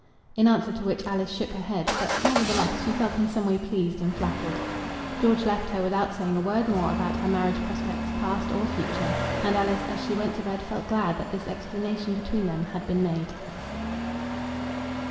In answer to which Alice shook her head; but, nevertheless, she felt in some way pleased and flattered. George left her without saying a word more about her marriage prospects past or future, and Alice as she went to bed felt glad that this explanation between them had been made.